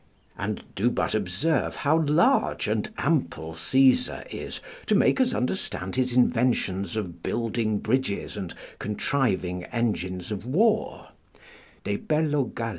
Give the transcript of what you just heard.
] And do but observe how large and ample Caesar is to make us understand his inventions of building bridges and contriving engines of war, [De Bello Gall.